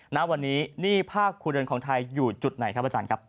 ณวันนี้หนี้ภาคครัวเรือนของไทยอยู่จุดไหนครับอาจารย์ครับ